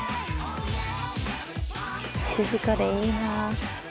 静かでいいな。